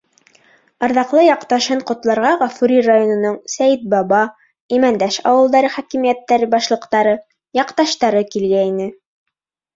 Арҙаҡлы яҡташын ҡотларға Ғафури районының Сәйетбаба, Имәндәш ауылдары хакимиәттәре башлыҡтары, яҡташтары килгәйне.